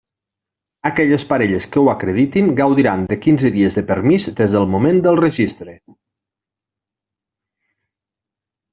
Aquelles parelles que ho acreditin gaudiran de quinze dies de permís des del moment del registre.